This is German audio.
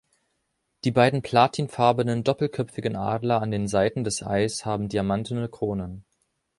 Die beiden platinfarbenen doppelköpfigen Adler an den Seiten des Eis haben diamantene Kronen.